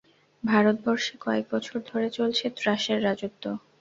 ভারতবর্ষে কয়েক বছর ধরে চলছে ত্রাসের রাজত্ব।